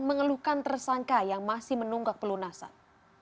mengeluhkan tersangka yang masih menunggak pelunasan